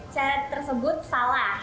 cara tersebut salah